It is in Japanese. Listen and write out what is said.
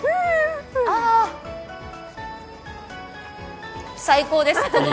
あ、最高です。